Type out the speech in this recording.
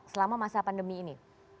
selama masa pandemi ini